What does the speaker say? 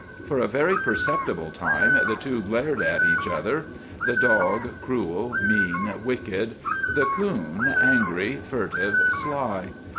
For a very perceptible time the two glared at each other. The dog cruel, mean, wicked; the coon angry, furtive, sly.